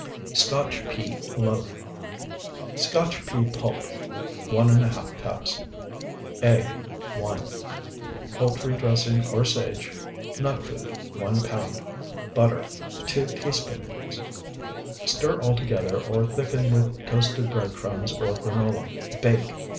SCOTCH PEA LOAF Scotch pea pulp, 1½ cups. Egg, 1. Poultry dressing or sage. Nut food, 1 pound. Butter, 2 teaspoonfuls. Stir all together, or thicken with toasted bread crumbs or granola; bake.